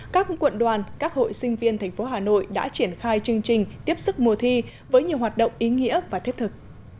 các quận đoàn các hội sinh viên thành phố hà nội đã triển khai chương trình tiếp sức mùa thi với nhiều hoạt động ý nghĩa và thiết thực